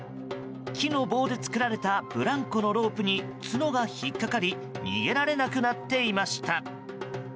木の棒で作られたブランコのロープに角が引っかかり逃げられなくなっていました。